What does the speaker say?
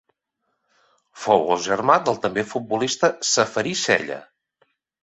Fou germà del també futbolista Ceferí Cella.